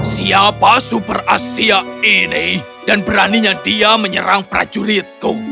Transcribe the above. siapa super asia ini dan beraninya dia menyerang prajuritku